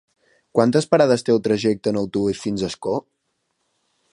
Quantes parades té el trajecte en autobús fins a Ascó?